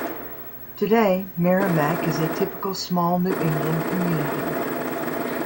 Today, Merrimac is a typical small New England community.